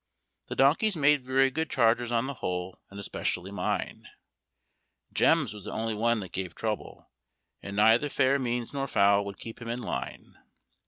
The donkeys made very good chargers on the whole, and especially mine; Jem's was the only one that gave trouble, and neither fair means nor foul would keep him in line.